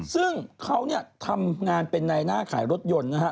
ซึ่งเขาเนี่ยทำงานเป็นในหน้าขายรถยนต์นะฮะ